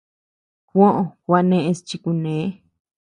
Juó gua neʼes chi kune.